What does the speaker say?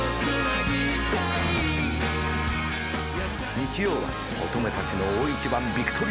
日曜は乙女たちの大一番ヴィクトリアマイル。